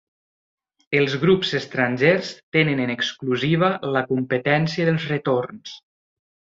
Els grups estrangers tenen en exclusiva la competència dels retorns.